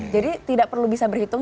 jadi tidak perlu bisa berhitung